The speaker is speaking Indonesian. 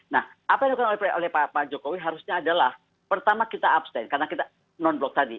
nah apa yang dilakukan oleh pak jokowi harusnya adalah pertama kita abstain karena kita non blok tadi